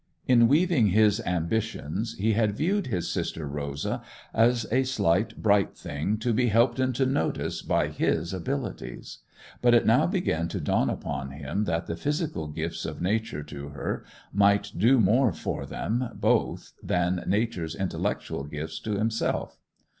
In weaving his ambitions he had viewed his sister Rosa as a slight, bright thing to be helped into notice by his abilities; but it now began to dawn upon him that the physical gifts of nature to her might do more for them both than nature's intellectual gifts to himself.